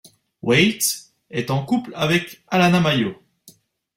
Waithe est en couple avec Alana Mayo.